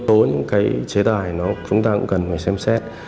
có những cái chế tài nó chúng ta cũng cần phải xem xét